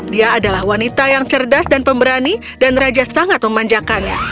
dia adalah wanita yang cerdas dan pemberani dan raja sangat memanjakannya